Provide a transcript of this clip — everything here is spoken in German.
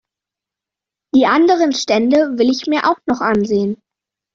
Die anderen Stände will ich mir auch noch ansehen.